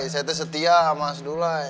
saya setia sama asdulai